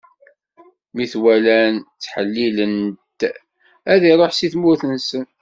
Mi t-walan, ttḥellilen-t ad iṛuḥ si tmurt-nsen.